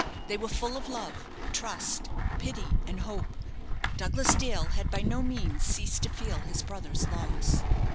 They were full of love, trust, pity, and hope. Douglas Dale had by no means ceased to feel his brother's loss.